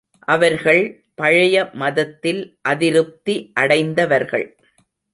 அவர்கள் பழைய மதத்தில் அதிருப்தி அடைந்தவர்கள்.